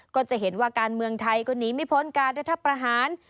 ก็จะเห็นว่าการเมืองไทยก็หนีไม่พ้นการรัฐประหาร